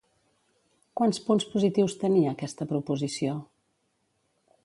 Quants punts positius tenia aquesta proposició?